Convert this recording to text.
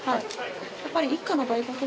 やっぱり一家の大黒柱